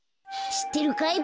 しってるかい？